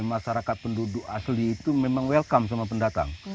masyarakat penduduk asli itu memang welcome sama pendatang